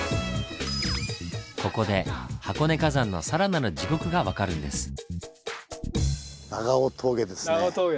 ここで箱根火山の更なる地獄が分かるんです。